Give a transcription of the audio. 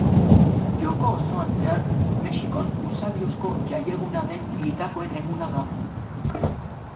Joko osoan zehar Mexikon usadiozko jaieguna den Hildakoen Eguna da.